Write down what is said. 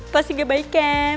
pasti gak baik kan